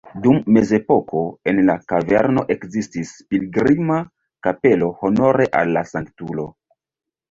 Dum mezepoko en la kaverno ekzistis pilgrima kapelo honore al la sanktulo.